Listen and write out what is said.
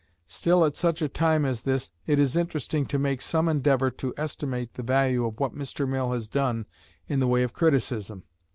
Still at such a time as this it is interesting to make some endeavor to estimate the value of what Mr. Mill has done in the way of criticism.